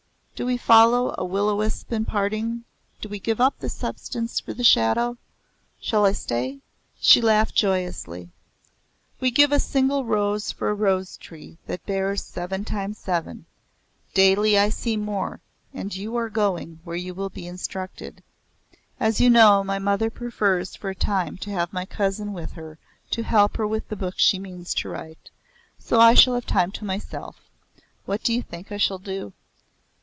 "Do we follow a will o' the wisp in parting? Do we give up the substance for the shadow? Shall I stay?" She laughed joyously; "We give a single rose for a rose tree that bears seven times seven. Daily I see more, and you are going where you will be instructed. As you know my mother prefers for a time to have my cousin with her to help her with the book she means to write. So I shall have time to myself. What do you think I shall do?"